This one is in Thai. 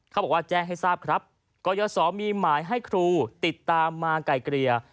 เขาบอกว่าแจ้งให้ทราบครับกรยศมีหมายให้ครูติดตามมาไกลเกลี่ย